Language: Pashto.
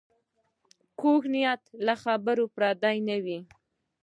کوږ نیت له خېر نه پردی وي